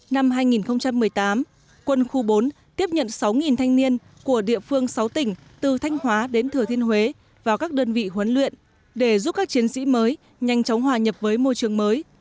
năm hai nghìn một mươi tám quân khu bốn tiếp nhận sáu thanh niên của địa phương sáu tỉnh từ thanh hóa đến thừa thiên huế vào các đơn vị huấn luyện để giúp các chiến sĩ mới nhanh chóng hòa nhập với môi trường mới